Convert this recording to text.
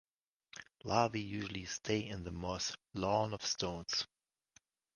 Larvae usually stay in the moss lawn of stones.